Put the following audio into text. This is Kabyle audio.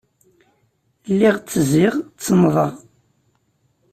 Lliɣ ttezziɣ, ttennḍeɣ.